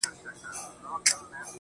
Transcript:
هڅه انسان بااعتماده کوي.